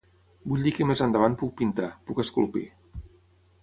Vull dir que més endavant puc pintar, puc esculpir.